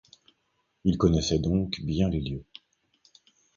Ils connaissaient, donc, bien les lieux.